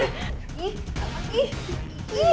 ih ih ih